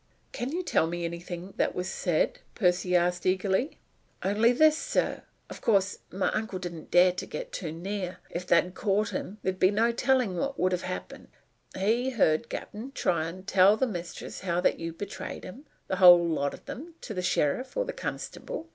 "Can you tell me anything that was said?" Percy asked eagerly. "Only this, sir. Of course, my uncle didn't dare to get too near. If they'd caught him, there's no telling what might have happened. He heard Cap'n Tryon tell the mistress how that you had betrayed 'em the whole lot of 'em to the sheriff or the constable.